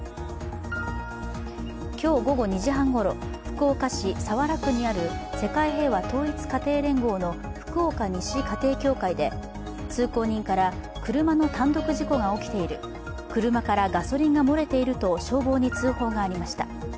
今日午後２時半ごろ、福岡市早良区にある世界平和統一家庭連合の福岡西家庭教会で通行人から車の単独事故が起きている、車からガソリンが漏れていると消防に通報がありました。